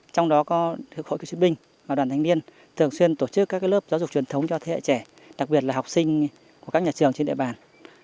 trong đó có hội cựu chiến binh và đoàn thanh niên thường xuyên tổ chức các lớp giáo dục truyền thống cho thế hệ trẻ đặc biệt là học sinh của các nhà trường trên địa bàn